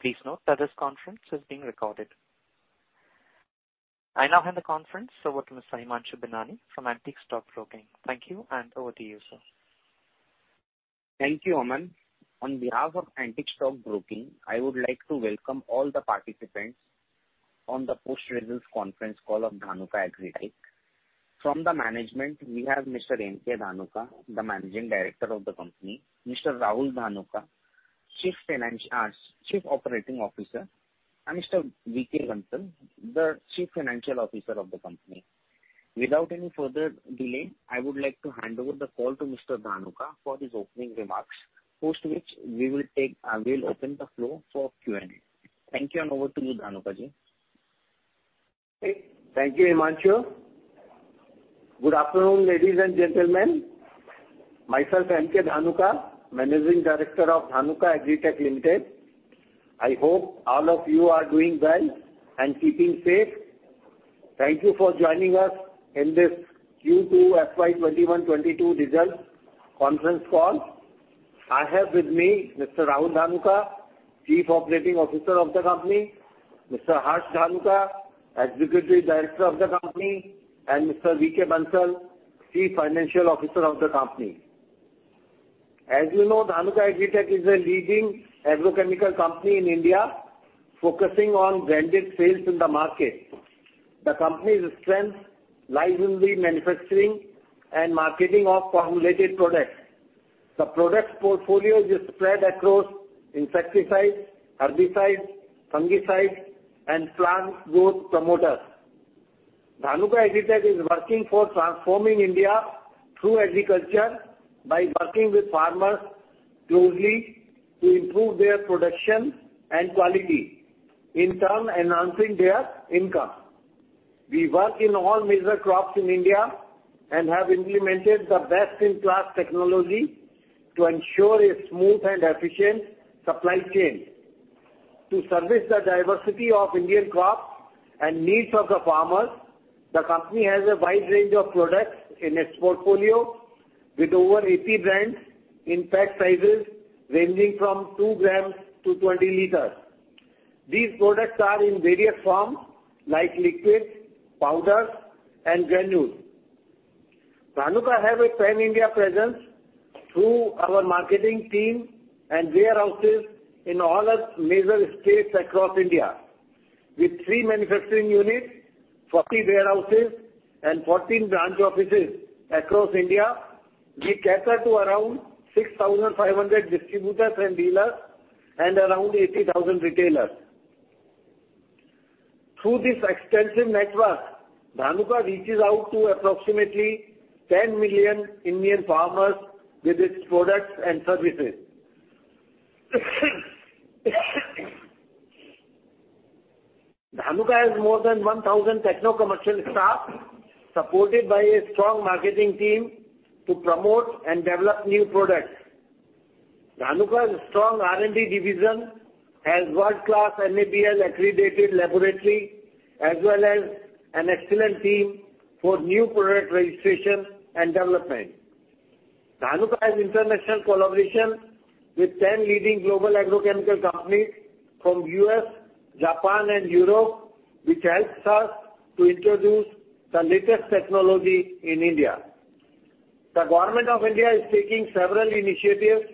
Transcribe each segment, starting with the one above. Please note that this conference is being recorded. I now hand the conference over to Mr. Himanshu Binani from Antique Stock Broking. Thank you and over to you, sir. Thank you, Aman. On behalf of Antique Stock Broking, I would like to welcome all the participants on the post-results conference call of Dhanuka Agritech. From the management, we have Mr. M.K. Dhanuka, the Managing Director of the company, Mr. Rahul Dhanuka, Chief Operating Officer, and Mr. V.K. Bansal, the Chief Financial Officer of the company. Without any further delay, I would like to hand over the call to Mr. Dhanuka for his opening remarks, post which we will take, we'll open the floor for Q&A. Thank you, and over to you, Dhanuka Ji. Thank you, Himanshu. Good afternoon, ladies and gentlemen. Myself, M.K. Dhanuka, Managing Director of Dhanuka Agritech Limited. I hope all of you are doing well and keeping safe. Thank you for joining us in this Q2 FY 2021-2022 results conference call. I have with me Mr. Rahul Dhanuka, Chief Operating Officer of the company, Mr. Harsh Dhanuka, Executive Director of the company, and Mr. V.K. Bansal, Chief Financial Officer of the company. As you know, Dhanuka Agritech is a leading agrochemical company in India, focusing on branded sales in the market. The company's strength lies in the manufacturing and marketing of formulated products. The product portfolio is spread across insecticides, herbicides, fungicides, and plant growth promoters. Dhanuka Agritech is working for transforming India through agriculture by working with farmers closely to improve their production and quality, in turn enhancing their income. We work in all major crops in India and have implemented the best-in-class technology to ensure a smooth and efficient supply chain. To service the diversity of Indian crops and needs of the farmers, the company has a wide range of products in its portfolio with over 80 brands in pack sizes ranging from 2g to 20l. These products are in various forms like liquids, powders, and granules. Dhanuka have a pan-India presence through our marketing team and warehouses in all the major states across India. With three manufacturing units, 40 warehouses and 14 branch offices across India, we cater to around 6,500 distributors and dealers and around 80,000 retailers. Through this extensive network, Dhanuka reaches out to approximately 10 million Indian farmers with its products and services. Dhanuka has more than 1,000 technocommercial staff, supported by a strong marketing team to promote and develop new products. Dhanuka's strong R&D division has world-class NABL-accredited laboratory, as well as an excellent team for new product registration and development. Dhanuka has international collaboration with 10 leading global agrochemical companies from U.S., Japan and Europe, which helps us to introduce the latest technology in India. The Government of India is taking several initiatives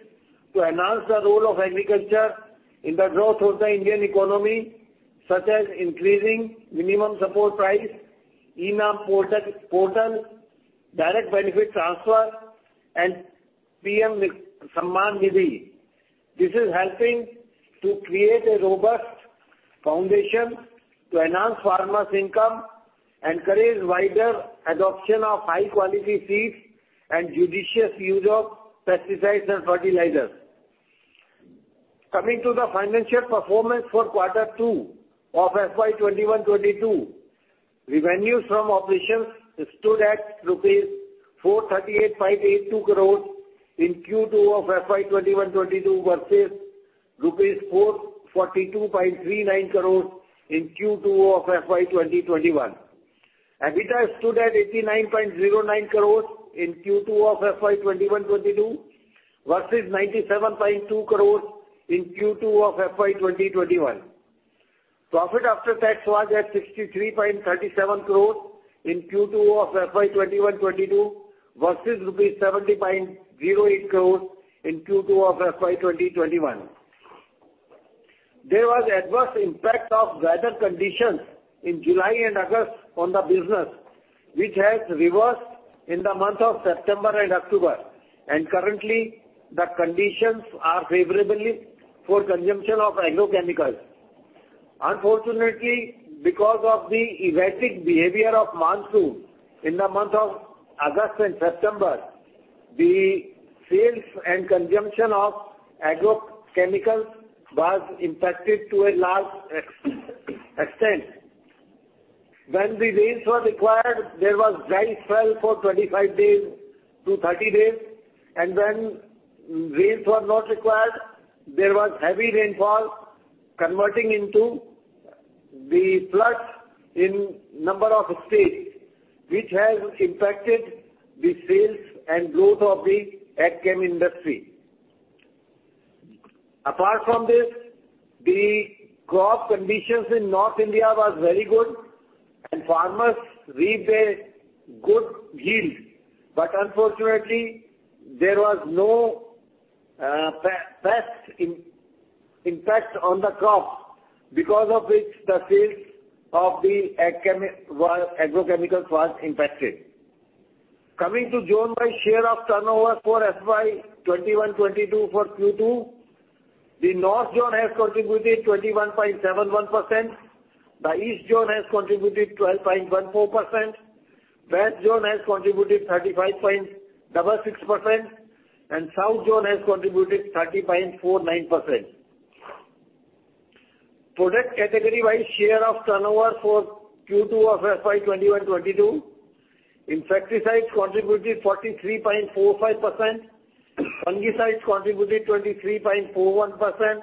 to enhance the role of agriculture in the growth of the Indian economy, such as increasing minimum support price, e-NAM portal, direct benefit transfer, and PM Kisan Samman Nidhi. This is helping to create a robust foundation to enhance farmers' income, encourage wider adoption of high-quality seeds and judicious use of pesticides and fertilizers. Coming to the financial performance for Q2 of FY 2021-2022, revenues from operations stood at rupees 438.582 crore in Q2 of FY 2021-2022 versus 442.39 crore in Q2 of FY 2020-2021. EBITDA stood at INR 89.09 crore in Q2 of FY 2021-2022 versus 97.2 crore in Q2 of FY 2020-2021. Profit after tax was at 63.37 crore in Q2 of FY 2021-2022 versus INR 70.08 crore in Q2 of FY 2020-2021. There was adverse impact of weather conditions in July and August on the business, which has reversed in the month of September and October, and currently the conditions are favorably for consumption of agrochemicals. Unfortunately, because of the erratic behavior of monsoon in the month of August and September, the sales and consumption of agrochemicals was impacted to a large extent. When the rains were required, there was dry spell for 25 days to 30 days, and when rains were not required, there was heavy rainfall converting into the floods in number of states which has impacted the sales and growth of the agchem industry. Apart from this, the crop conditions in North India was very good, and farmers reaped a good yield. Unfortunately, there was no pest impact on the crops, because of which the sales of the agrochemicals was impacted. Coming to zone by share of turnover for FY 2021-2022 for Q2. The North zone has contributed 21.71%. The East zone has contributed 12.14%. West zone has contributed 35.26%, and South zone has contributed 30.49%. Product category by share of turnover for Q2 of FY 2021-2022. Insecticides contributed 43.45%. Fungicides contributed 23.41%.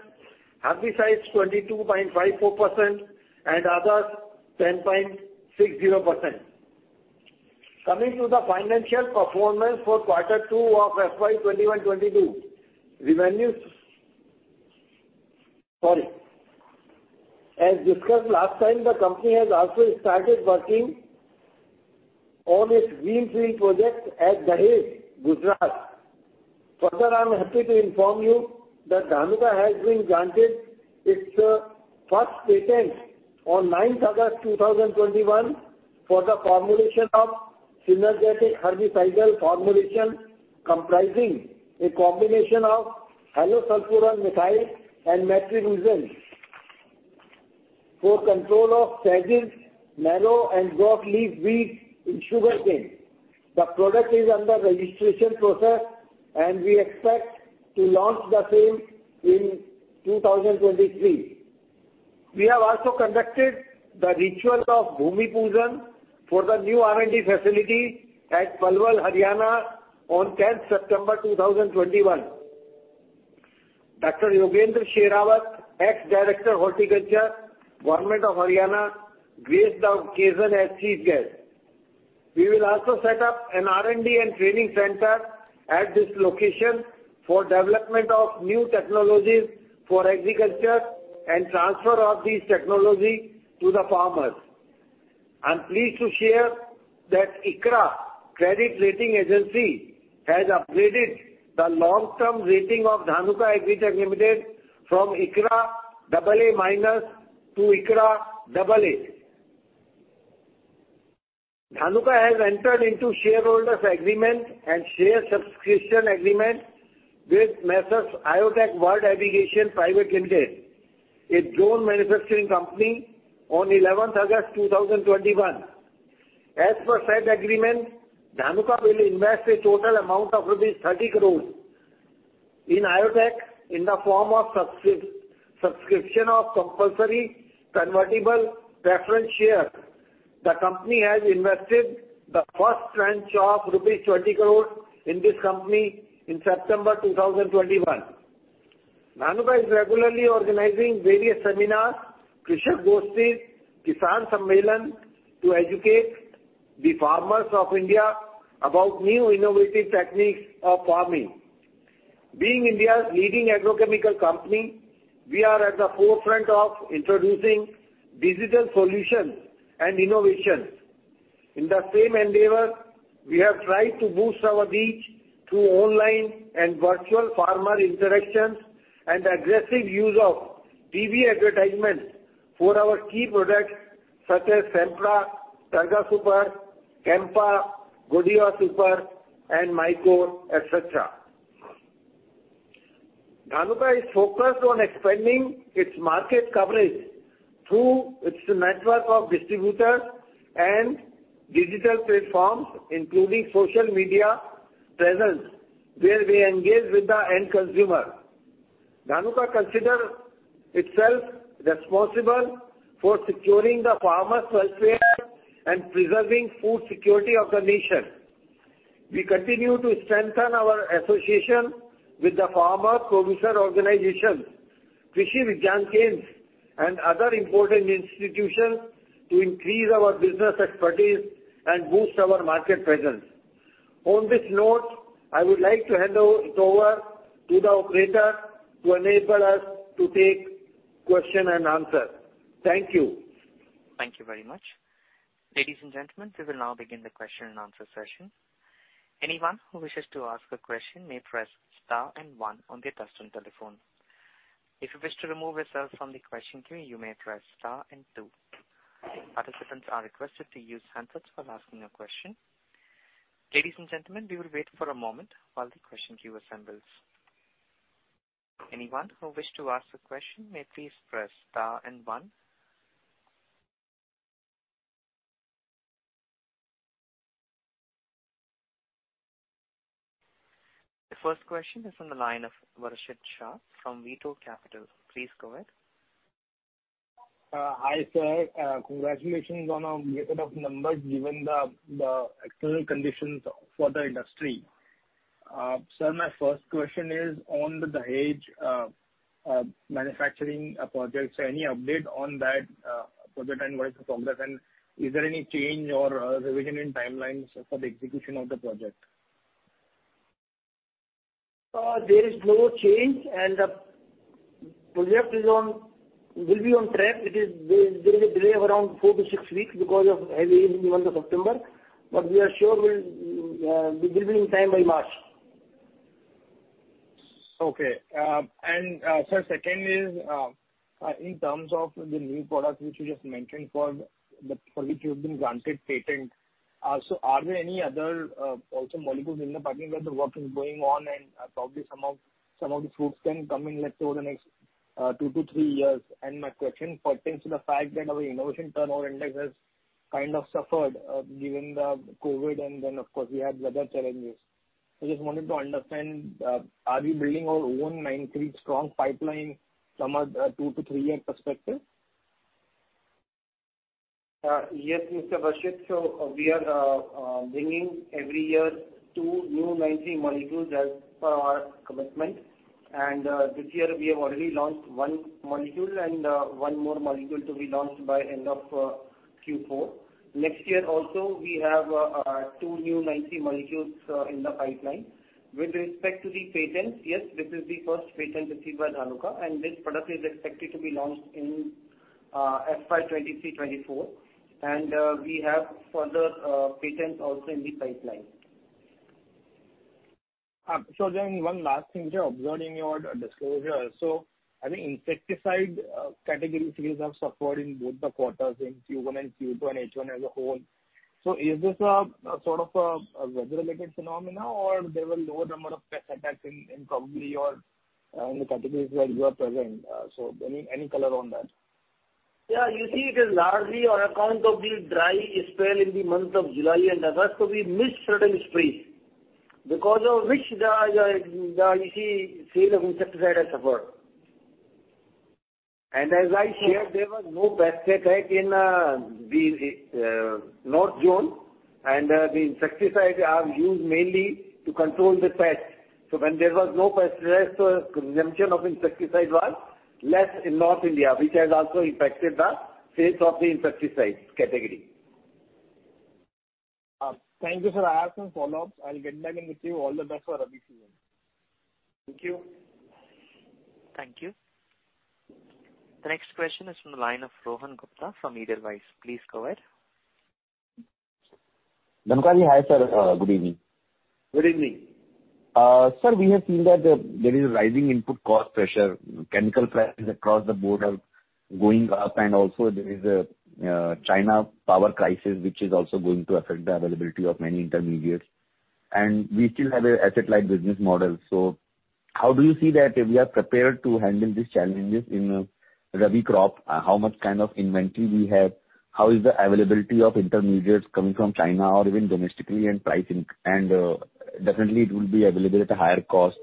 Herbicides, 22.54%, and others, 10.60%. Coming to the financial performance for quarter two of FY 2021-2022. As discussed last time, the company has also started working on its greenfield project at Dahej, Gujarat. Further, I'm happy to inform you that Dhanuka has been granted its first patent on 9 August 2021 for the formulation of synergistic herbicidal formulation, comprising a combination of halosulfuron-methyl and metribuzin for control of sedges, mallow, and broadleaf weeds in sugarcane. The product is under registration process, and we expect to launch the same in 2023. We have also conducted the ritual of Bhoomi Pujan for the new R&D facility at Palwal, Haryana on 10th September 2021. Dr. Yogendra Sheoran, Ex-Director Horticulture, Government of Haryana, graced the occasion as chief guest. We will also set up an R&D and training center at this location for development of new technologies for agriculture and transfer of these technology to the farmers. I'm pleased to share that ICRA has upgraded the long-term rating of Dhanuka Agritech Limited from ICRA AA- to ICRA AA. Dhanuka has entered into shareholders agreement and share subscription agreement with M/s IoTechWorld Avigation Private Limited, a drone manufacturing company, on 11th August 2021. As per said agreement, Dhanuka will invest a total amount of rupees 30 crores in IoTech in the form of subscription of compulsory convertible preference shares. The company has invested the first tranche of rupees 20 crores in this company in September 2021. Dhanuka is regularly organizing various seminars, Krishak Gostis, Kisan Sammelans, to educate the farmers of India about new innovative techniques of farming. Being India's leading agrochemical company, we are at the forefront of introducing digital solutions and innovations. In the same endeavor, we have tried to boost our reach through online and virtual farmer interactions and aggressive use of TV advertisements for our key products, such as Sempra, Targa Super, Chempa, Godiwa Super, and MYCORe, etc. Dhanuka is focused on expanding its market coverage through its network of distributors and digital platforms, including social media presence, where we engage with the end consumer. Dhanuka consider itself responsible for securing the farmers' welfare and preserving food security of the nation. We continue to strengthen our association with the farmer producer organizations, Krishi Vigyan Kendras, and other important institutions to increase our business expertise and boost our market presence. On this note, I would like to hand over to the operator to enable us to take question and answer. Thank you. Thank you very much. Ladies and gentlemen, we will now begin the question and answer session. Anyone who wishes to ask a question may press star and one on their touchtone telephone. If you wish to remove yourself from the question queue, you may press star and two. Participants are requested to use handsets while asking a question. Ladies and gentlemen, we will wait for a moment while the question queue assembles. Anyone who wish to ask a question may please press star and one. The first question is on the line of Varshit Shah from Veto Capital. Please go ahead. Hi, sir. Congratulations on a good set of numbers given the external conditions for the industry. Sir, my first question is on the Dahej manufacturing projects. Any update on that project and what is the progress and is there any change or revision in timelines for the execution of the project? There is no change and the project is on, will be on track. There is a delay of around 4-6 weeks because of heavy rain in the month of September. We are sure we will be on time by March. Sir, second is in terms of the new product which you just mentioned, for which you've been granted patent. Are there any other also molecules in the pipeline where the work is going on and probably some of the fruits can come in, let's say over the next 2-3 years? My question pertains to the fact that our innovation turnover index has kind of suffered given the COVID and then of course we had weather challenges. I just wanted to understand, are we building our own 90-strong pipeline from a 2-3-year perspective? Yes, Mr. Varshit. We are bringing every year two new 9(3) molecules as per our commitment. This year we have already launched one molecule and one more molecule to be launched by end of Q4. Next year also, we have two new 9(3) molecules in the pipeline. With respect to the patents, yes, this is the first patent received by Dhanuka and this product is expected to be launched in FY 2023-2024. We have further patents also in the pipeline. One last thing which I observed in your disclosure also. I think insecticide category sales have suffered in both the quarters in Q1 and Q2 and H1 as a whole. Is this a sort of weather-related phenomena or there were lower number of pest attacks in probably your categories where you are present? Any color on that? Yeah, you see it is largely on account of the dry spell in the month of July and August. We missed certain sprays because of which the, you see, sales of insecticide has suffered. As I shared, there was no pest attack in the North zone and the insecticides are used mainly to control the pests. When there was no pest, consumption of insecticide was less in North India, which has also impacted the sales of the insecticides category. Thank you, sir. I have some follow-ups. I'll get back in with you. All the best for rabi season. Thank you. Thank you. The next question is from the line of Rohan Gupta from Edelweiss. Please go ahead. Dhanuka ji, hi, sir. Good evening. Good evening. Sir, we have seen that there is a rising input cost pressure. Chemical prices across the board are going up. Also there is a China power crisis, which is also going to affect the availability of many intermediates. We still have a asset-light business model. How do you see that we are prepared to handle these challenges in rabi crop? How much kind of inventory we have? How is the availability of intermediates coming from China or even domestically and pricing? Definitely it will be available at a higher cost.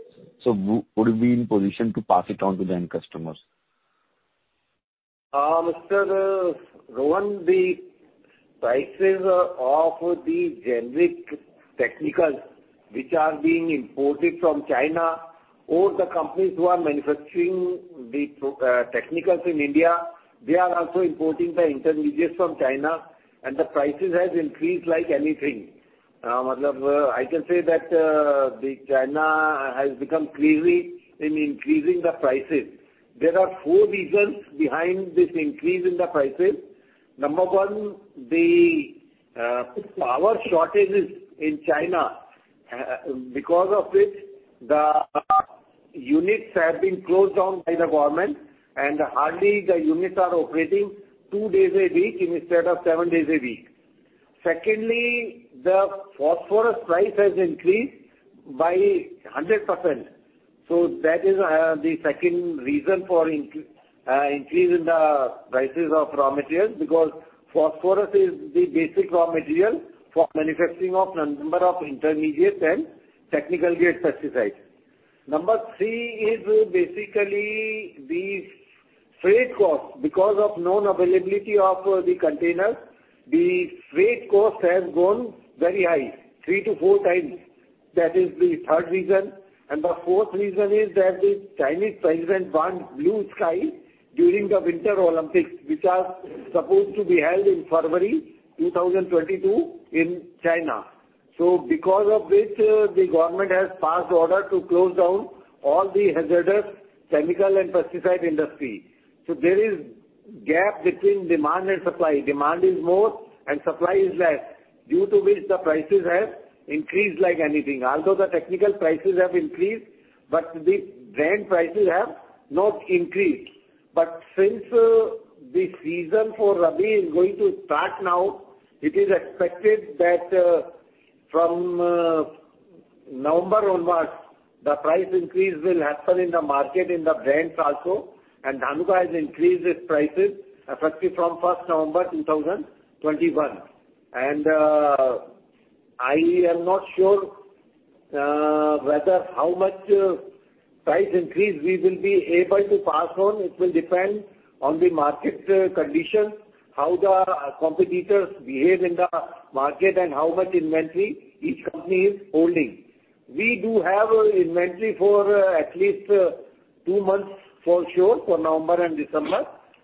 Would we be in position to pass it on to the end customers? Mr. Rohan, the prices of the generic technicals which are being imported from China or the companies who are manufacturing the technicals in India, they are also importing the intermediates from China and the prices has increased like anything. Matlab, I can say that, China has become crazy in increasing the prices. There are four reasons behind this increase in the prices. Number one, the power shortages in China, because of which the units have been closed down by the government and hardly the units are operating two days a week instead of seven days a week. Secondly, the phosphorus price has increased by 100%. So that is the second reason for increase in the prices of raw materials because phosphorus is the basic raw material for manufacturing of number of intermediates and technical grade pesticides. Number three is basically the freight cost. Because of non-availability of the containers, the freight cost has gone very high, 3-4x. That is the third reason. The fourth reason is that the Chinese President wants blue sky during the Winter Olympics, which are supposed to be held in February 2022 in China. Because of which the government has passed order to close down all the hazardous chemical and pesticide industry. There is gap between demand and supply. Demand is more and supply is less, due to which the prices have increased like anything. Although the technical prices have increased, but the brand prices have not increased. Since the season for rabi is going to start now, it is expected that from November onwards, the price increase will happen in the market in the brands also. Dhanuka has increased its prices effective from first November 2021. I am not sure how much price increase we will be able to pass on. It will depend on the market condition, how our competitors behave in the market and how much inventory each company is holding. We do have inventory for at least two months for sure for November and December,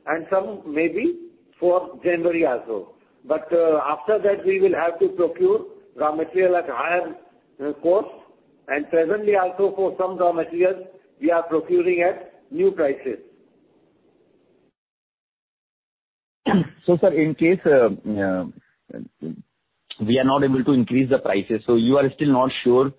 and some maybe for January also. After that, we will have to procure raw material at higher cost. Presently also, for some raw materials, we are procuring at new prices. Sir, in case we are not able to increase the prices, so you are still not sure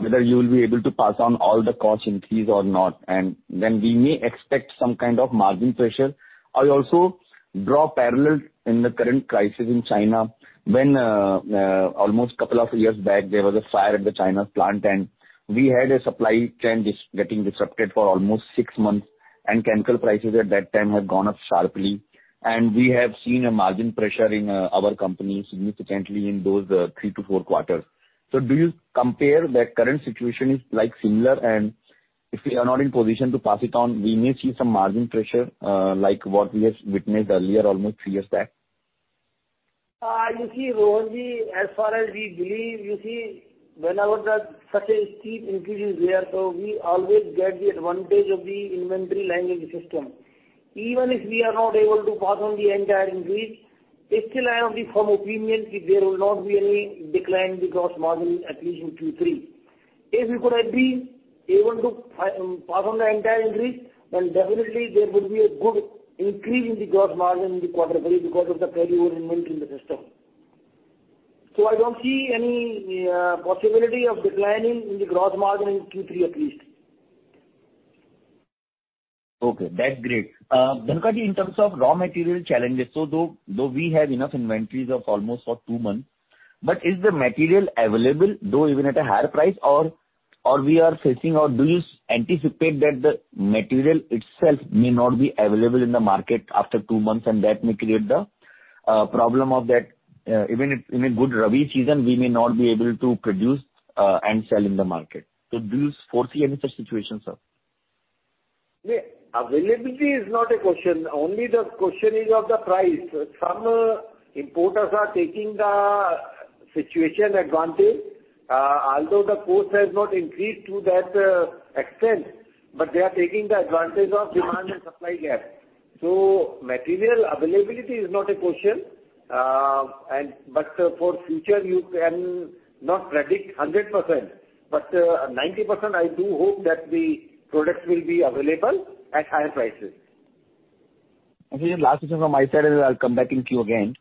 whether you will be able to pass on all the cost increase or not, and then we may expect some kind of margin pressure. I also draw parallel in the current crisis in China when almost two years back, there was a fire at the China plant, and we had a supply chain getting disrupted for almost six months, and chemical prices at that time had gone up sharply. We have seen a margin pressure in our company significantly in those 3-4 quarters. Do you compare the current situation is like similar? If we are not in position to pass it on, we may see some margin pressure, like what we have witnessed earlier, almost three years back. You see, Rohan Ji, as far as we believe, you see, whenever there is such a steep increase, we always get the advantage of the inventory leverage system. Even if we are not able to pass on the entire increase, still I am of the firm opinion that there will not be any decline in the gross margin, at least in Q3. If we could have been able to pass on the entire increase, then definitely there would be a good increase in the gross margin in quarter three because of the carry over inventory in the system. I don't see any possibility of declining in the gross margin in Q3 at least. Okay, that's great. Dhanuka Ji, in terms of raw material challenges, though we have enough inventories of almost for two months, but is the material available, though even at a higher price or we are facing or do you anticipate that the material itself may not be available in the market after two months and that may create the problem of that, even if in a good rabi season, we may not be able to produce and sell in the market. Do you foresee any such situation, sir? Availability is not a question. Only the question is of the price. Some importers are taking advantage of the situation. Although the cost has not increased to that extent, they are taking advantage of demand and supply gap. Material availability is not a question. For the future, you can not predict 100%. 90% I do hope that the products will be available at higher prices. Okay. Last question from my side and I'll come back to you again.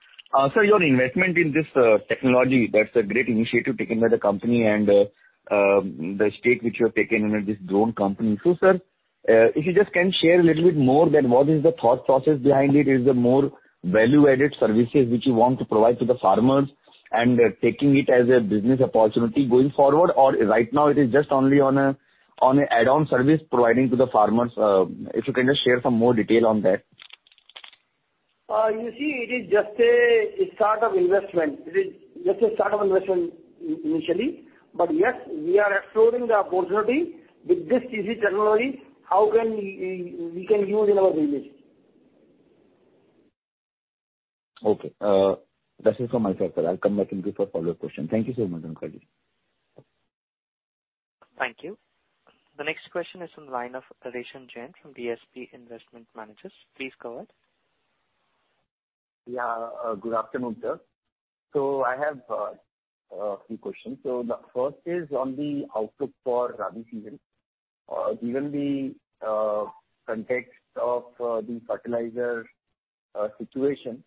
Sir, your investment in this technology, that's a great initiative taken by the company and the stake which you have taken in this drone company. Sir, if you just can share a little bit more than what is the thought process behind it? Is it more value-added services which you want to provide to the farmers and taking it as a business opportunity going forward or right now it is just only on a add-on service providing to the farmers? If you can just share some more detail on that. You see, it is just a start of investment initially. Yes, we are exploring the opportunity with this easy technology, how we can use in our business. Okay. That's it from my side, sir. I'll come back in case for follow-up question. Thank you so much, Dhanuka Ji. Thank you. The next question is from the line of Resham Jain from DSP Investment Managers. Please go ahead. Yeah. Good afternoon, sir. I have a few questions. The first is on the outlook for rabi season. Given the context of the fertilizer situation,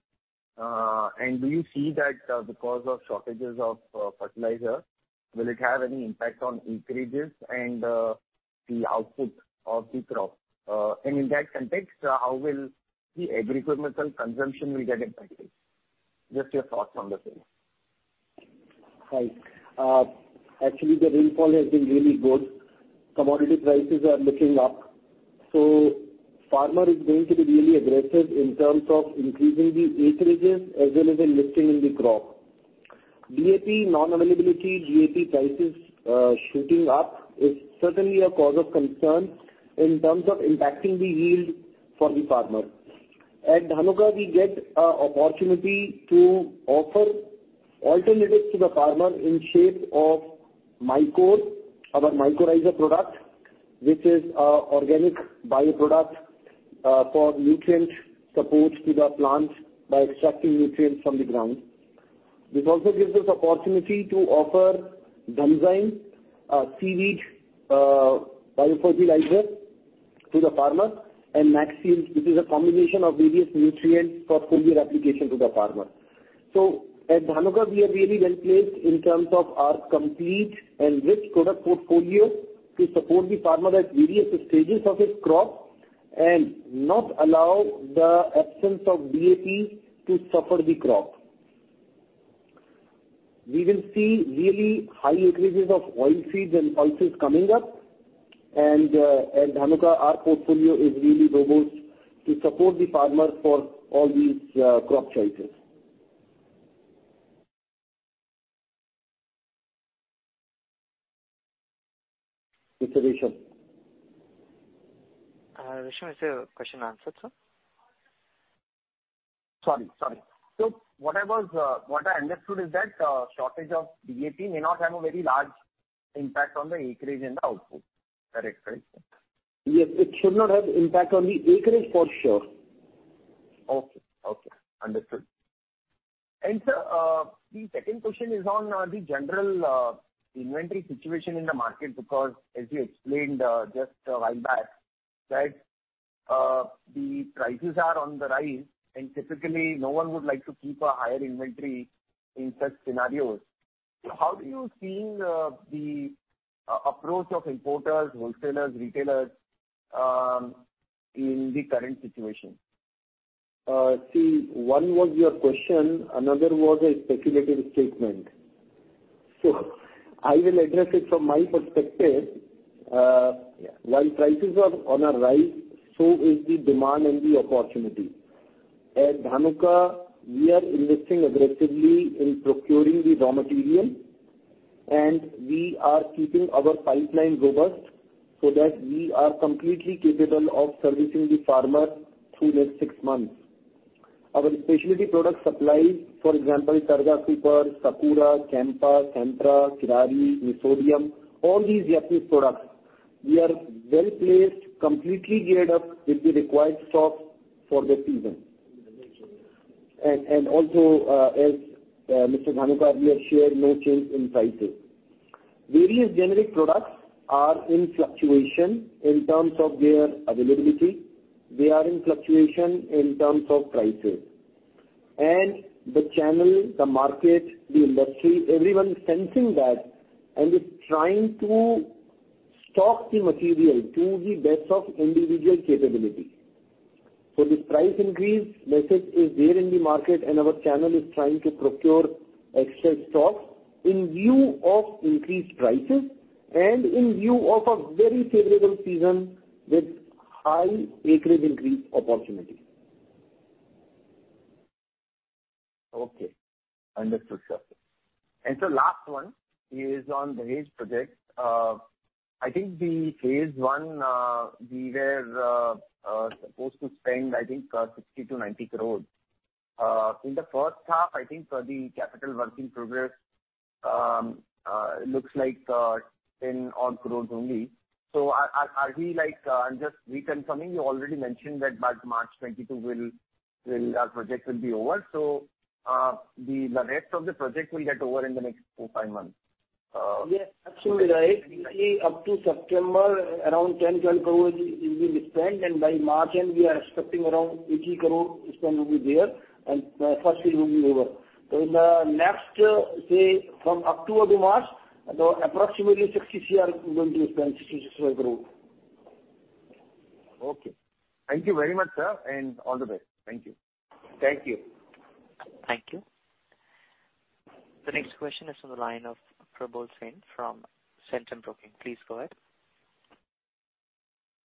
and do you see that because of shortages of fertilizer, will it have any impact on acreages and the output of the crop? In that context, how will the agricultural consumption get impacted? Just your thoughts on the same. Right. Actually the rainfall has been really good. Commodity prices are looking up, so farmer is going to be really aggressive in terms of increasing the acreages as well as investing in the crop. DAP non-availability, DAP prices shooting up is certainly a cause of concern in terms of impacting the yield for the farmer. At Dhanuka, we get an opportunity to offer alternatives to the farmer in shape of MYCORe, our mycorrhiza product, which is an organic by-product for nutrient support to the plant by extracting nutrients from the ground. This also gives us opportunity to offer Dhanzaym, a seaweed biofertilizer to the farmer, and Maxyld, which is a combination of various nutrients for foliar application to the farmer. At Dhanuka, we are really well-placed in terms of our complete and rich product portfolio to support the farmer at various stages of his crop and not allow the absence of DAPs to suffer the crop. We will see really high acreages of oilseeds and pulses coming up, and at Dhanuka, our portfolio is really robust to support the farmers for all these crop choices. It's Resham. Resham, is your question answered, sir? Sorry. What I understood is that shortage of DAP may not have a very large impact on the acreage and the output. Correct? Yes. It should not have impact on the acreage for sure. Okay. Understood. Sir, the second question is on the general inventory situation in the market because as you explained just a while back that the prices are on the rise, and typically no one would like to keep a higher inventory in such scenarios. How do you seeing the approach of importers, wholesalers, retailers in the current situation? See, one was your question, another was a speculative statement. I will address it from my perspective. Yeah. While prices are on a rise, so is the demand and the opportunity. At Dhanuka, we are investing aggressively in procuring the raw material, and we are keeping our pipeline robust so that we are completely capable of servicing the farmer through next six months. Our specialty product supplies, for example, Corbium, Sakura, Chempa, Sempra, Kirari, Nissodium, all these Japanese products, we are well placed, completely geared up with the required stocks for the season. Understood. Also, as Mr. Dhanuka earlier shared, no change in prices. Various generic products are in fluctuation in terms of their availability. They are in fluctuation in terms of prices. The channel, the market, the industry, everyone is sensing that and is trying to stock the material to the best of individual capability. This price increase message is there in the market, and our channel is trying to procure extra stocks in view of increased prices and in view of a very favorable season with high acreage increase opportunity. Okay. Understood, sir. Last one is on Dahej project. I think the phase one, we were supposed to spend, I think, 60 crores-90 crores in the first half, I think for the capital work in progress, looks like 10 odd crores only. Are we like just reconfirming, you already mentioned that by March 2022 we'll our project will be over. The rest of the project will get over in the next 4-5 months. Yes, that's right. Up to September around 10 crore-12 crore will be spent, and by March end we are expecting around 80 crore spend will be there, and first phase will be over. In the next, say from October to March, about approximately INR 60 crore-INR 65 crore. Okay. Thank you very much, sir, and all the best. Thank you. Thank you. Thank you. The next question is from the line of Prabal Sen from Centrum Broking. Please go ahead.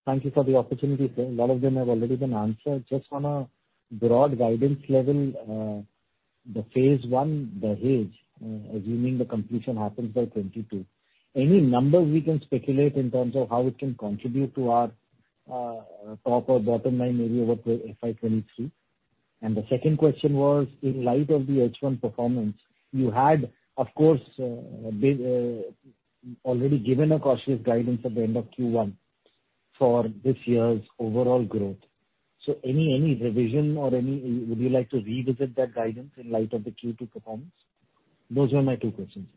Thank you for the opportunity, sir. A lot of them have already been answered. Just on a broad guidance level, the phase one, Dahej, assuming the completion happens by 2022, any numbers we can speculate in terms of how it can contribute to our top or bottom line maybe over the FY 2023? The second question was in light of the H1 performance, you had, of course, already given a cautious guidance at the end of Q1 for this year's overall growth. Any revision or would you like to revisit that guidance in light of the Q2 performance? Those were my two questions.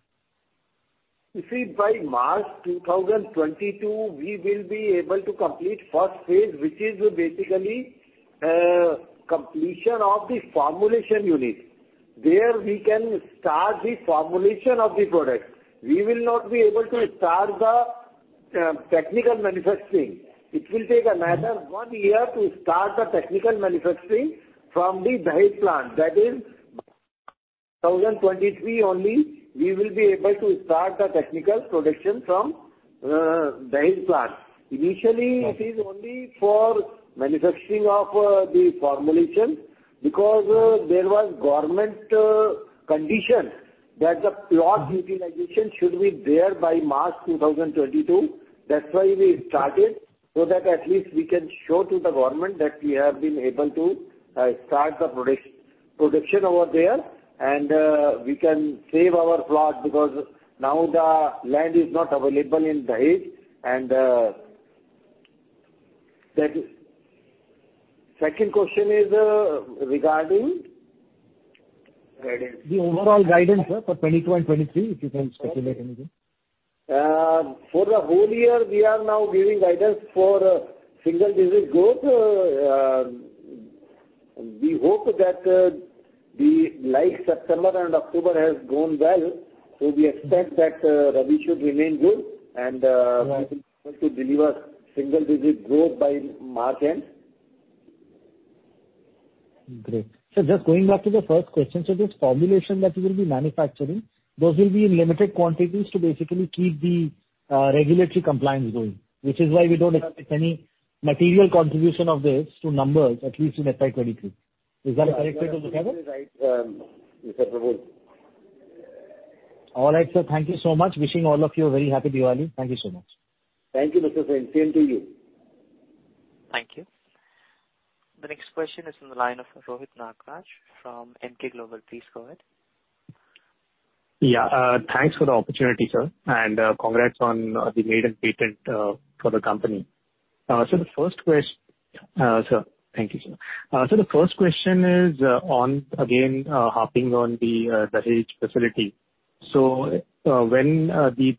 You see, by March 2022, we will be able to complete first phase, which is basically completion of the formulation unit. There we can start the formulation of the product. We will not be able to start the technical manufacturing. It will take another one year to start the technical manufacturing from the Dahej plant. That is 2023 only we will be able to start the technical production from Dahej plant. Initially it is only for manufacturing of the formulation because there was government condition that the plot utilization should be there by March 2022. That's why we started, so that at least we can show to the government that we have been able to start the production over there and we can save our plot because now the land is not available in Dahej. Second question is, regarding? Guidance. The overall guidance, sir, for 2022 and 2023, if you can speculate anything? For the whole year we are now giving guidance for single-digit growth. We hope that like September and October has gone well, so we expect that Rabi should remain good and we should be able to deliver single-digit growth by March end. Great. Just going back to the first question. This formulation that you will be manufacturing, those will be in limited quantities to basically keep the regulatory compliance going, which is why we don't expect any material contribution of this to numbers, at least in FY 2023. Is that a correct way to look at it? Right, Mr. Prabal Sen. All right, sir. Thank you so much. Wishing all of you a very happy Diwali. Thank you so much. Thank you, Mr. Sen. Same to you. Thank you. The next question is from the line of Rohit Nagraj from Emkay Global. Please go ahead. Thanks for the opportunity, sir, and congrats on the maiden patent for the company. Sir, thank you, sir. The first question is, once again harping on the Dahej facility. When the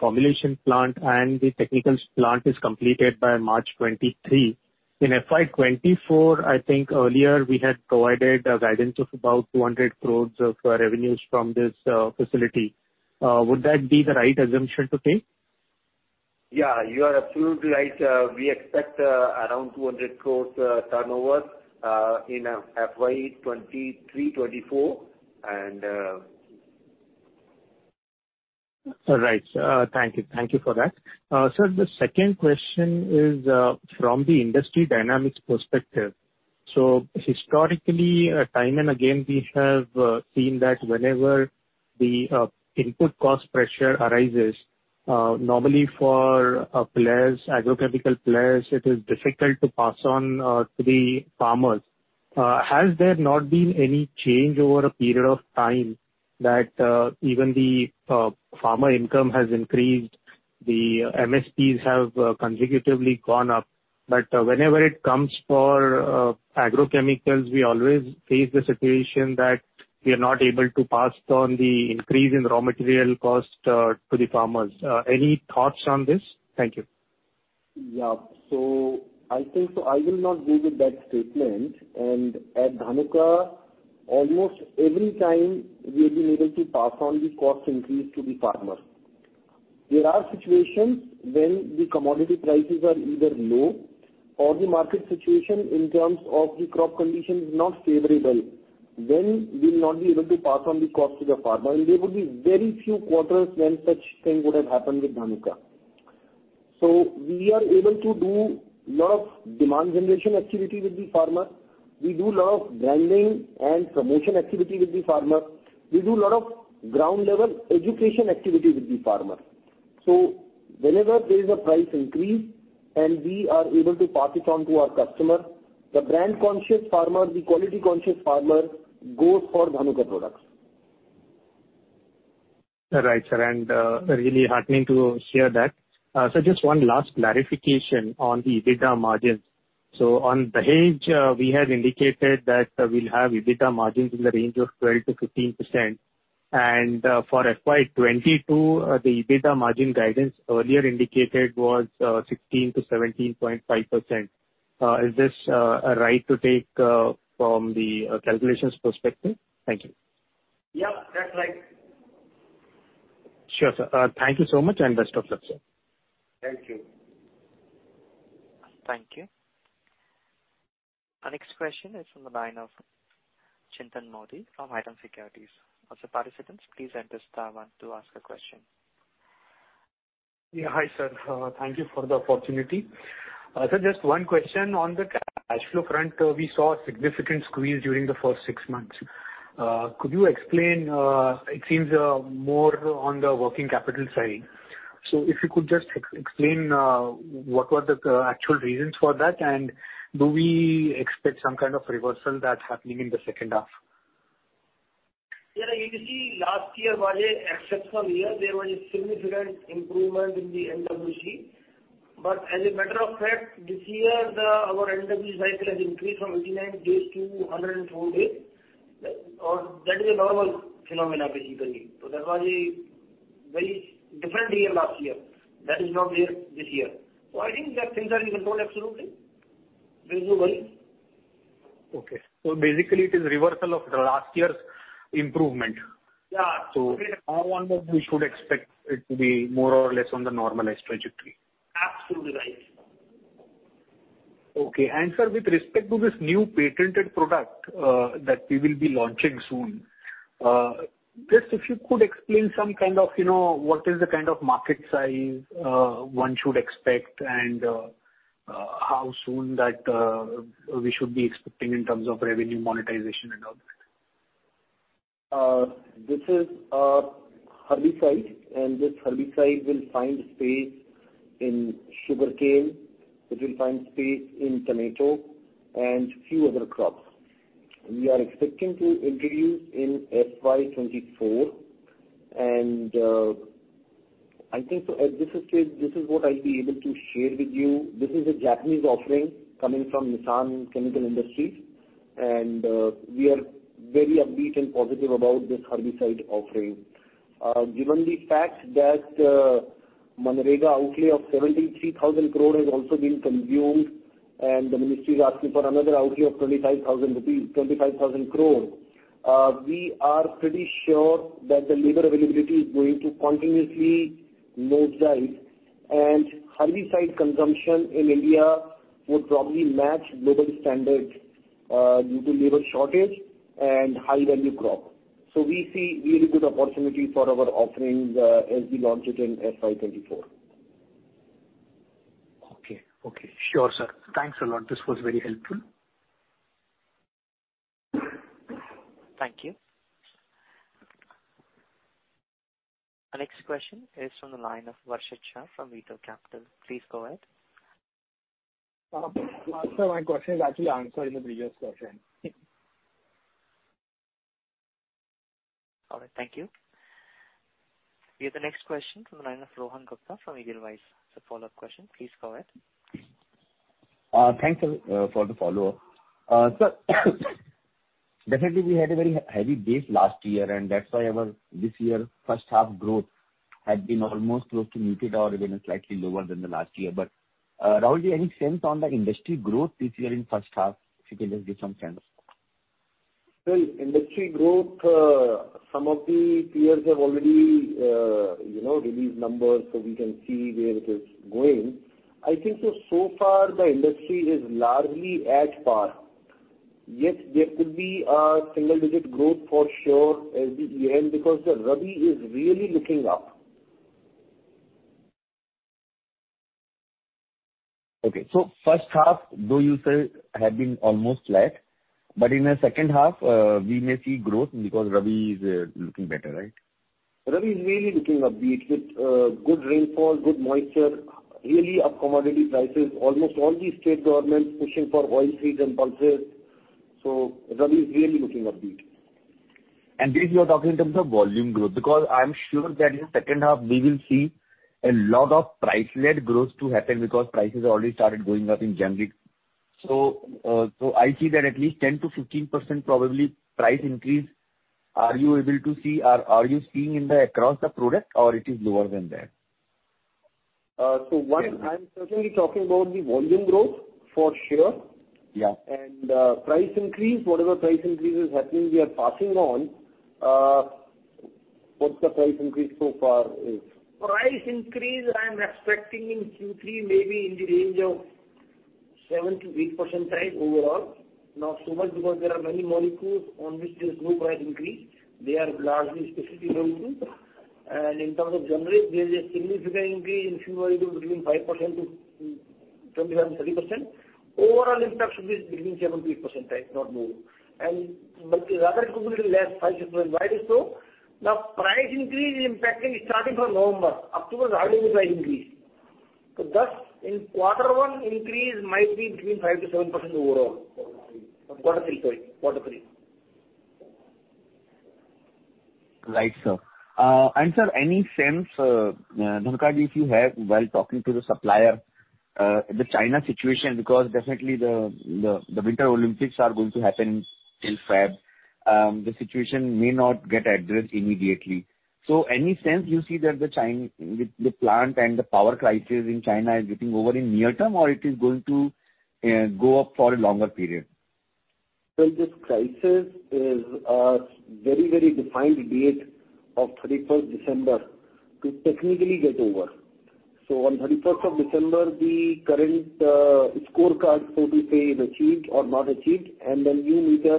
formulation plant and the technicals plant is completed by March 2023, in FY 2024, I think earlier we had provided a guidance of about 200 crore of revenues from this facility. Would that be the right assumption to take? Yeah, you are absolutely right. We expect around 200 crore turnover in FY 2023-2024, and... All right, sir. Thank you. Thank you for that. Sir, the second question is from the industry dynamics perspective. Historically, time and again, we have seen that whenever the input cost pressure arises, normally for players, agrochemical players, it is difficult to pass on to the farmers. Has there not been any change over a period of time that even the farmer income has increased, the MSPs have consecutively gone up, but whenever it comes for agrochemicals, we always face the situation that we are not able to pass on the increase in raw material cost to the farmers. Any thoughts on this? Thank you. Yeah. I think I will not go with that statement, and at Dhanuka, almost every time we've been able to pass on the cost increase to the farmers. There are situations when the commodity prices are either low or the market situation in terms of the crop condition is not favorable, then we'll not be able to pass on the cost to the farmer, and there would be very few quarters when such thing would have happened with Dhanuka. We are able to do lot of demand generation activity with the farmer. We do lot of branding and promotion activity with the farmer. We do lot of ground level education activity with the farmer. Whenever there is a price increase and we are able to pass it on to our customer, the brand-conscious farmer, the quality-conscious farmer goes for Dhanuka products. Right, sir, really heartening to hear that. Sir, just one last clarification on the EBITDA margins. On Dahej, we had indicated that we'll have EBITDA margins in the range of 12%-15%. For FY 2022, the EBITDA margin guidance earlier indicated was 16%-17.5%. Is this right to take from the calculations perspective? Thank you. Yeah, that's right. Sure, sir. Thank you so much, and best of luck, sir. Thank you. Thank you. Our next question is from the line of Chintan Modi from Motilal Oswal. Yeah, hi, sir. Thank you for the opportunity. Sir, just one question on the cash flow front. We saw a significant squeeze during the first six months. Could you explain? It seems more on the working capital side. If you could just explain what were the actual reasons for that, and do we expect some kind of reversal that's happening in the second half? Yeah. You see, last year was an exceptional year. There was a significant improvement in the NWC. As a matter of fact, this year our NWC cycle has increased from 89 days to 104 days. That is a normal phenomenon, basically. That was a very different year last year. That is not there this year. I think that things are in control absolutely. There's no worry. Okay. Basically, it is reversal of the last year's improvement. Yeah. Going forward, we should expect it to be more or less on the normalized trajectory. Absolutely right. Okay. Sir, with respect to this new patented product that we will be launching soon, just if you could explain some kind of, you know, what is the kind of market size one should expect and, how soon that we should be expecting in terms of revenue monetization and all that. This is a herbicide, and this herbicide will find space in sugarcane, it will find space in tomato, and few other crops. We are expecting to introduce in FY 2024. I think so at this stage, this is what I'll be able to share with you. This is a Japanese offering coming from Nissan Chemical Corporation, and we are very upbeat and positive about this herbicide offering. Given the fact that MNREGA outlay of 73,000 crore has also been consumed and the ministry is asking for another outlay of 25,000 rupees, 25,000 crore, we are pretty sure that the labor availability is going to continuously nosedive and herbicide consumption in India would probably match global standards, due to labor shortage and high value crop. We see really good opportunity for our offerings, as we launch it in FY 2024. Okay. Okay. Sure, sir. Thanks a lot. This was very helpful. Thank you. Our next question is from the line of Varshit Shah from Veto Capital. Please go ahead. Sir, my question is actually answered in the previous question. All right. Thank you. We have the next question from the line of Rohan Gupta from Edelweiss. It's a follow-up question. Please go ahead. Thanks for the follow-up. Sir, definitely we had a very heavy base last year, and that's why our this year first half growth had been almost close to muted or even slightly lower than the last year. Rahulji, any sense on the industry growth this year in first half, if you can just give some sense? Well, industry growth, some of the peers have already, you know, released numbers, so we can see where it is going. I think so far the industry is largely at par. Yet there could be a single-digit growth for sure as we end because the Rabi is really looking up. Okay. First half, though you say had been almost flat, but in the second half, we may see growth because Rabi is looking better, right? Rabi is really looking upbeat with good rainfall, good moisture, really up commodity prices. Almost all the state governments pushing for oilseeds and pulses. Rabi is really looking upbeat. This, you are talking in terms of volume growth, because I'm sure that in second half we will see a lot of price-led growth to happen because prices already started going up in January. So, I see that at least 10%-15% probably price increase. Are you able to see or are you seeing in the across the product or it is lower than that? One, I'm certainly talking about the volume growth for sure. Yeah. Price increase, whatever price increase is happening, we are passing on. What is the price increase so far? Price increase I'm expecting in Q3 maybe in the range of 7%-8% price overall. Not so much because there are many molecules on which there's no price increase. They are largely specific volumes. In terms of January, there is a significant increase in few volumes between 5% to 25% and 30%. Overall impact should be between 7%-8% price, not more. Rather it could be little less, 5, 6%. Why it is so? Now price increase impacting starting from November. October is hardly any price increase. In quarter three, increase might be between 5%-7% overall. Quarter three, sorry. Quarter three. Right, sir. Sir, any sense, Dhanuka, do you have while talking to the supplier, the China situation, because definitely the Winter Olympics are going to happen in February. The situation may not get addressed immediately. Any sense you see that with the plant and the power crisis in China is getting over in near term or it is going to go up for a longer period? Well, this crisis is a very, very defined date of thirty-first December to technically get over. On thirty-first of December, the current scorecard, so to say, is achieved or not achieved, and the new meter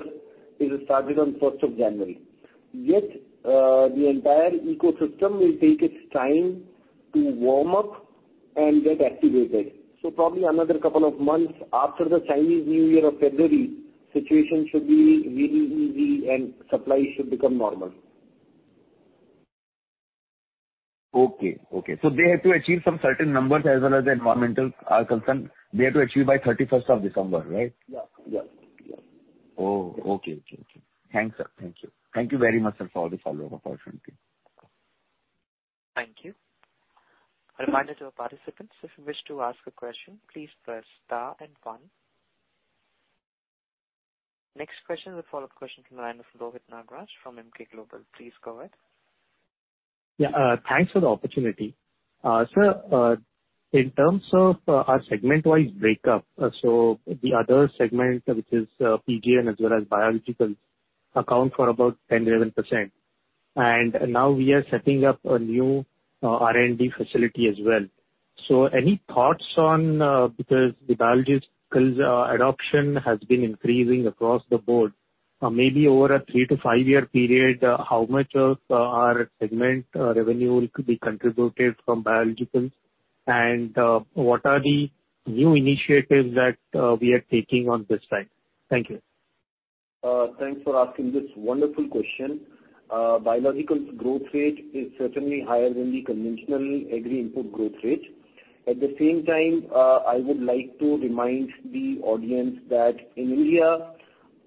is started on first of January. Yet, the entire ecosystem will take its time to warm up and get activated. Probably another couple of months after the Chinese New Year of February, situation should be really easy and supply should become normal. Okay. They have to achieve some certain numbers as well as the environmental are concerned. They have to achieve by thirty-first of December, right? Yeah. Yeah. Yeah. Oh, okay. Thanks, sir. Thank you very much, sir, for the follow-up opportunity. Thank you. A reminder to our participants, if you wish to ask a question, please press star and one. Next question is a follow-up question from the line of Rohit Nagraj from Emkay Global. Please go ahead. Yeah. Thanks for the opportunity. Sir, in terms of our segment-wise breakup, so the other segment, which is PGR and as well as biologicals, accounts for about 10-11%. Now we are setting up a new R&D facility as well. Any thoughts on, because the biologicals adoption has been increasing across the board? Maybe over a 3-5-year period, how much of our segment revenue will be contributed from biologicals? What are the new initiatives that we are taking on this front? Thank you. Thanks for asking this wonderful question. Biologicals growth rate is certainly higher than the conventional agri-input growth rate. At the same time, I would like to remind the audience that in India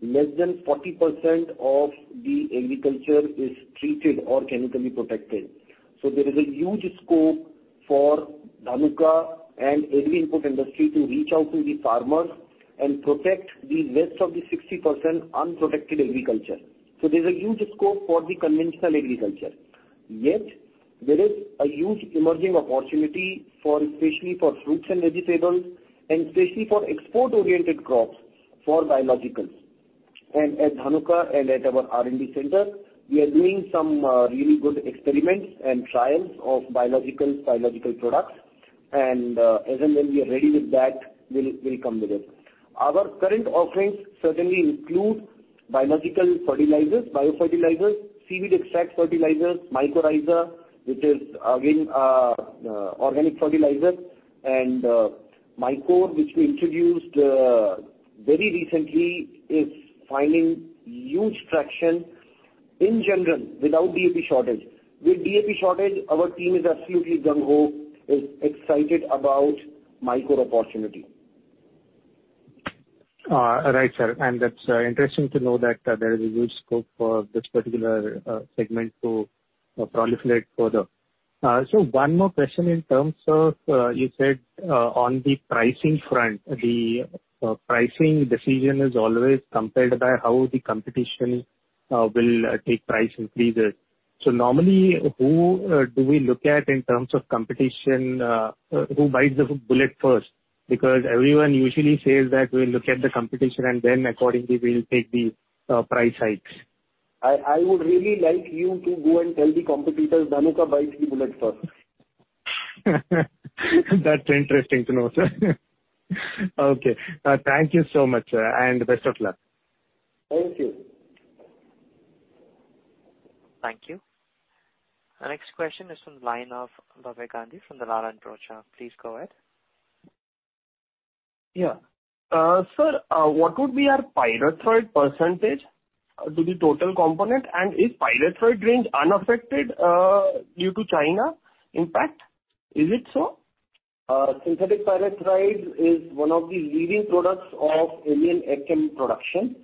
less than 40% of the agriculture is treated or chemically protected. There is a huge scope for Dhanuka and agri-input industry to reach out to the farmers and protect the rest of the 60% unprotected agriculture. There's a huge scope for the conventional agriculture. Yet, there is a huge emerging opportunity for, especially for fruits and vegetables and especially for export-oriented crops for biologicals. At Dhanuka and at our R&D center, we are doing some really good experiments and trials of biological products. As and when we are ready with that, we'll come with it. Our current offerings certainly include biological fertilizers, bio fertilizers, seaweed extract fertilizers, mycorrhizae, which is again, organic fertilizer and MYCORe, which we introduced very recently, is finding huge traction in general without DAP shortage. With DAP shortage, our team is absolutely gung-ho, is excited about MYCORe opportunity. Right sir. That's interesting to know that there is a huge scope for this particular segment to proliferate further. One more question in terms of you said on the pricing front, the pricing decision is always compared by how the competition will take price increases. Normally, who do we look at in terms of competition, who bites the bullet first? Because everyone usually says that we look at the competition and then accordingly we will take the price hikes. I would really like you to go and tell the competitors, "Dhanuka bites the bullet first. That's interesting to know, sir. Okay. Thank you so much, sir, and best of luck. Thank you. Thank you. Our next question is from the line of Vivek Gandhi from the Dalal & Broacha. Please go ahead. Sir, what would be our pyrethroid percentage to the total component? Is pyrethroid range unaffected due to China impact? Is it so? Synthetic pyrethroid is one of the leading products of Indian agrochem production.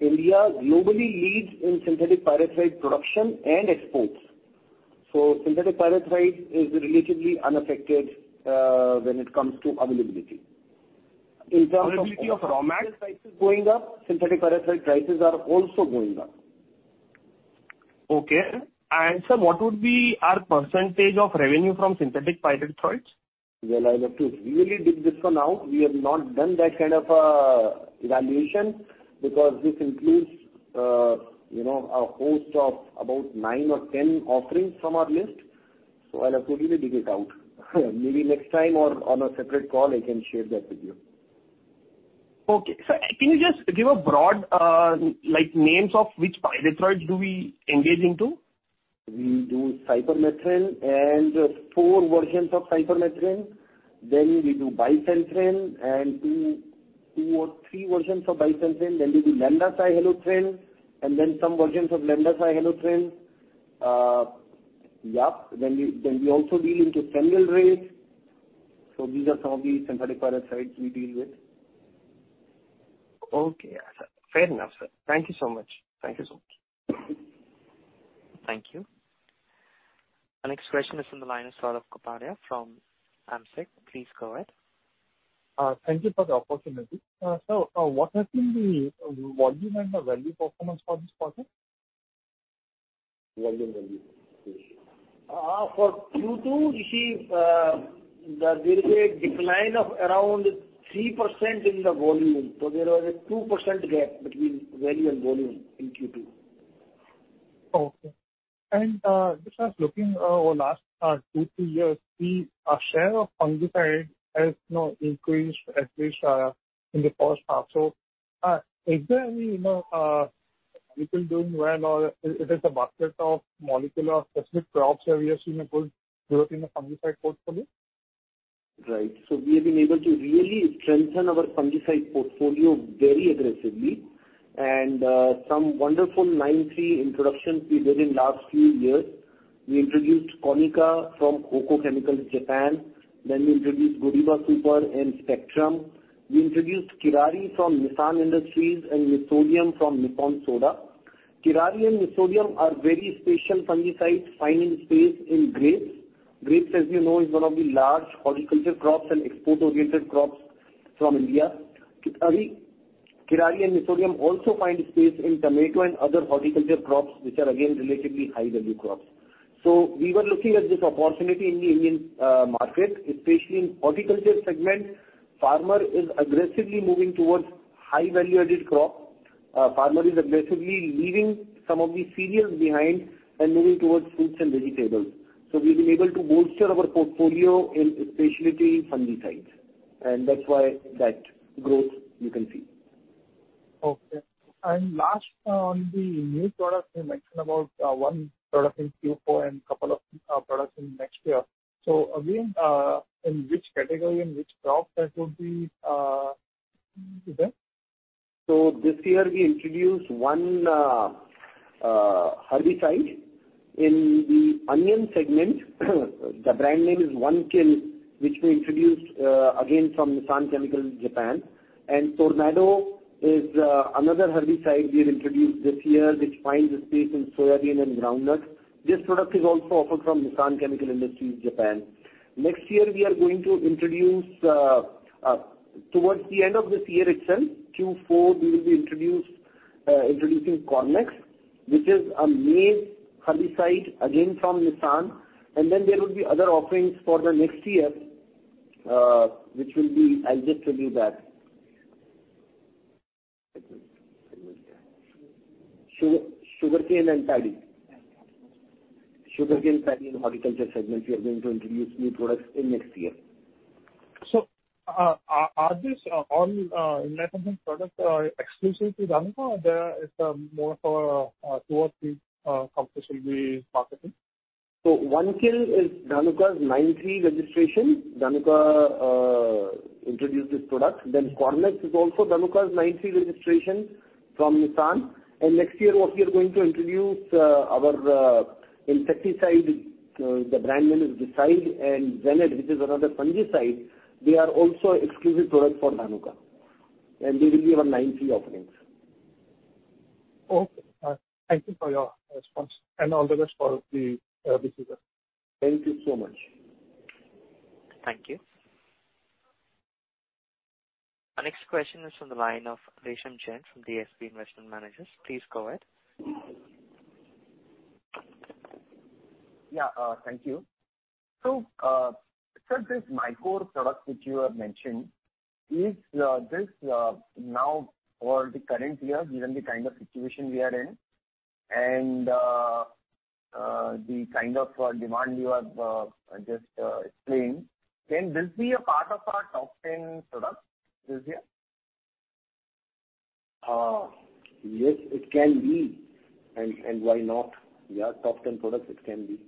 India globally leads in synthetic pyrethroid production and exports. Synthetic pyrethroid is relatively unaffected when it comes to availability. Availability of raw material Prices going up, synthetic pyrethroid prices are also going up. Okay. Sir, what would be our percentage of revenue from synthetic pyrethroids? Well, I'll have to really dig this one out. We have not done that kind of evaluation because this includes you know, a host of about 9 or 10 offerings from our list. I'll have to really dig it out. Maybe next time or on a separate call, I can share that with you. Okay. Sir, can you just give a broad, like, names of which pyrethroids do we engage into? We do Cypermethrin and four versions of Cypermethrin. We do bifenthrin and two or three versions of bifenthrin. We do Lambda-cyhalothrin, and then some versions of Lambda-cyhalothrin. Yeah. We also deal into Fenvalerate. These are some of the synthetic pyrethroids we deal with. Okay. Fair enough, sir. Thank you so much. Thank you so much. Thank you. Our next question is from the line of Saurabh Kapadia from Amsec. Please go ahead. Thank you for the opportunity. Sir, what has been the volume and the value performance for this quarter? Volume, value. For Q2, you see that there is a decline of around 3% in the volume. There was a 2% gap between value and volume in Q2. Okay. Just I was looking over last 2-3 years, the share of fungicide has now increased, at least, in the first half. Is there any, you know, molecule doing well or is the bucket of molecule or specific crops where we have seen a good growth in the fungicide portfolio? Right. We have been able to really strengthen our fungicide portfolio very aggressively. Some wonderful 9(3) introductions we did in last few years. We introduced Conika from Hokko Chemical, Japan. We introduced Godiwa Super and Spectrum. We introduced Kirari from Nissan Chemical Industries and Nissodium from Nippon Soda. Kirari and Nissodium are very special fungicides finding space in grapes. Grapes, as you know, is one of the large horticulture crops and export-oriented crops from India. Kirari and Nissodium also find space in tomato and other horticulture crops, which are again, relatively high-value crops. We were looking at this opportunity in the Indian market, especially in horticulture segment. Farmer is aggressively moving towards high value-added crop. Farmer is aggressively leaving some of the cereals behind and moving towards fruits and vegetables. We've been able to bolster our portfolio in specialty fungicides, and that's why that growth you can see. Okay. Last, on the new product, you mentioned about one product in Q4 and couple of products in next year. Again, in which category, in which crop that would be there? This year we introduced one herbicide in the onion segment. The brand name is Onekil, which we introduced again from Nissan Chemical, Japan. Tornado is another herbicide we have introduced this year, which finds a space in soybean and groundnut. This product is also offered from Nissan Chemical Industries, Japan. Next year, we are going to introduce towards the end of this year itself, Q4, introducing Cornex, which is a maize herbicide, again from Nissan. Then there will be other offerings for the next year, which will be sugarcane, paddy and horticulture segments. We are going to introduce new products next year. Are these all independent products exclusive to Dhanuka or there is more for two or three companies will be marketing? Onekil is Dhanuka's 9(3) registration. Dhanuka introduced this product. Cornex is also Dhanuka's 9(3) registration from Nissan. Next year what we are going to introduce, our insecticide, the brand name is Decide and Zanet, which is another fungicide. They are also exclusive products for Dhanuka, and they will be our 9(3) offerings. Okay. Thank you for your response and all the best for the business. Thank you so much. Thank you. Our next question is from the line of Resham Jain from DSP Investment Managers. Please go ahead. Yeah. Thank you. Sir, this MYCORe product which you have mentioned, is this now for the current year, given the kind of situation we are in and the kind of demand you have just explained, can this be a part of our top 10 products this year? Yes, it can be. Why not? Yeah, top 10 products it can be.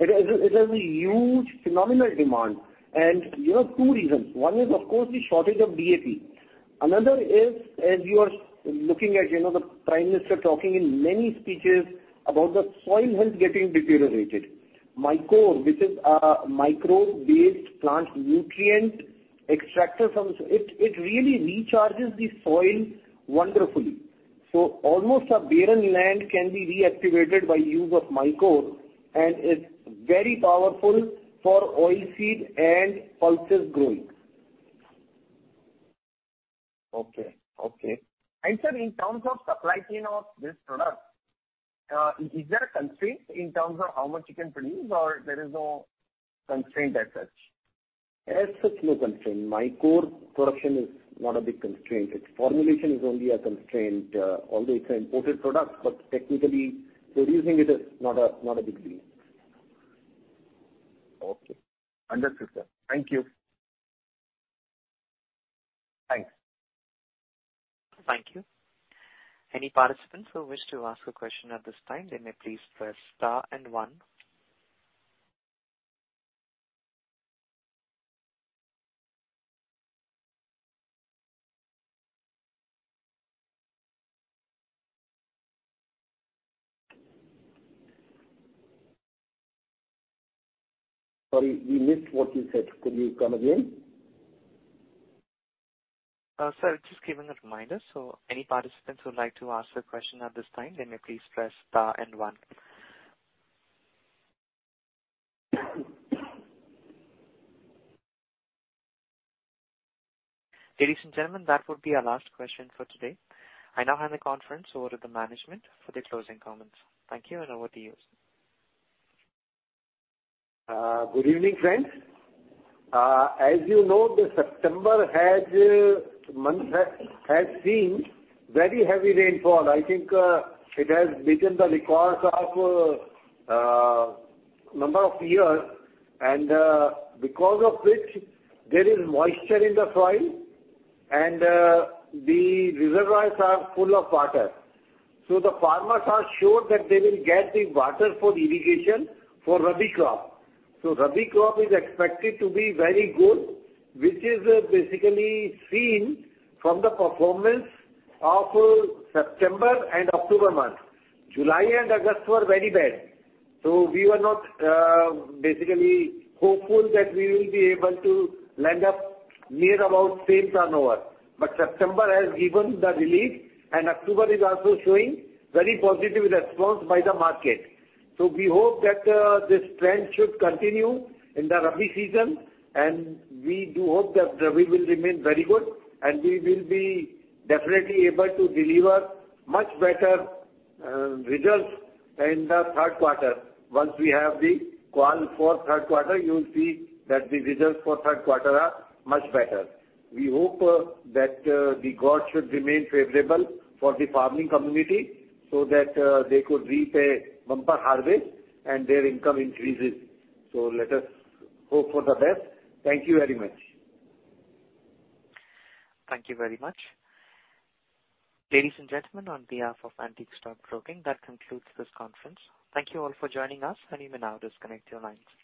It has a huge phenomenal demand. You know, two reasons. One is of course the shortage of DAP. Another is as you are looking at, you know, the Prime Minister talking in many speeches about the soil health getting deteriorated. MYCORe, which is a microbe-based plant nutrient. It really recharges the soil wonderfully. Almost a barren land can be reactivated by use of MYCORe, and it's very powerful for oil seed and pulses growing. Okay. Sir, in terms of supply chain of this product, is there a constraint in terms of how much you can produce, or there is no constraint as such? As such, no constraint. MYCORe production is not a big constraint. Its formulation is only a constraint. Although it's an imported product, but technically producing it is not a big deal. Okay. Understood, sir. Thank you. Thanks. Thank you. Any participants who wish to ask a question at this time, they may please press star and one. Sorry, we missed what you said. Could you come again? sir, just giving a reminder. Any participants who would like to ask a question at this time, they may please press star and one. Ladies and gentlemen, that would be our last question for today. I now hand the conference over to the management for the closing comments. Thank you, and over to you, sir. Good evening, friends. As you know, the September month has seen very heavy rainfall. I think it has beaten the records of number of years and because of which there is moisture in the soil and the reservoirs are full of water. The farmers are sure that they will get the water for irrigation for rabi crop. Rabi crop is expected to be very good, which is basically seen from the performance of September and October month. July and August were very bad. We were not basically hopeful that we will be able to land up near about same turnover. September has given the relief, and October is also showing very positive response by the market. We hope that this trend should continue in the rabi season, and we do hope that the rain will remain very good, and we will be definitely able to deliver much better results in the third quarter. Once we have the call for third quarter, you will see that the results for third quarter are much better. We hope that God should remain favorable for the farming community so that they could reap a bumper harvest and their income increases. Let us hope for the best. Thank you very much. Thank you very much. Ladies and gentlemen, on behalf of Antique Stock Broking, that concludes this conference. Thank you all for joining us. You may now disconnect your lines.